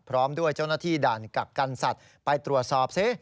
พร้อมด้วยเจ้าหน้าที่ด่านกักกันสัตว์ไปตรวจสอบซิ